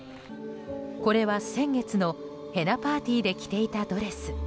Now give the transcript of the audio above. これは先月のヘナ・パーティーで着ていたドレス。